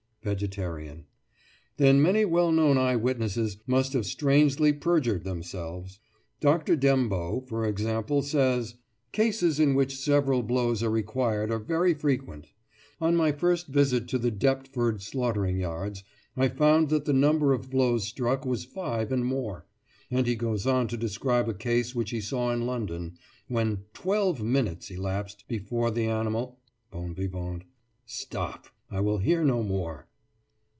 VEGETARIAN: Then many well known eye witnesses must have strangely perjured themselves. Dr. Dembo, for example, says: "Cases in which several blows are required are very frequent. On my first visit to the Deptford slaughtering yards I found that the number of blows struck was five and more," and he goes on to describe a case which he saw in London, when twelve minutes elapsed before the animal—— BON VIVANT: Stop! I will hear no more.